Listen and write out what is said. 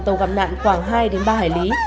tàu gặp nạn khoảng hai ba hải lý